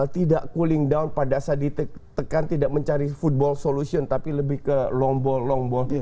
tidak cooling down pada saat ditekan tidak mencari football solution tapi lebih ke lombol long ball